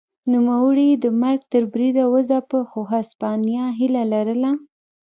نوموړی یې د مرګ تر بریده وځپه خو هسپانیا هیله لرله.